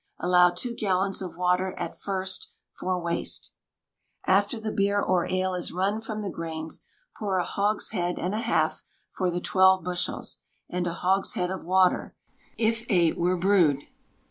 Allow two gallons of water, at first, for waste. After the beer or ale is run from the grains, pour a hogshead and a half for the twelve bushels; and a hogshead of water, if eight were brewed.